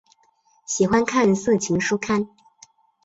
喜欢看色情书刊。